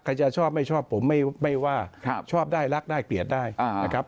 จะชอบไม่ชอบผมไม่ว่าชอบได้รักได้เกลียดได้นะครับ